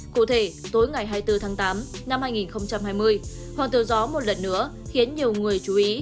cụ thể tối ngày hai mươi bốn tháng tám năm hai nghìn hai mươi hoàng tứ gió một lần nữa khiến nhiều người chú ý